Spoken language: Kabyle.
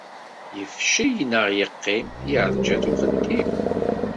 Yefcel neɣ yeqqim, yerǧa-t uxeddim.